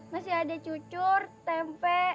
masih ada cucur tempe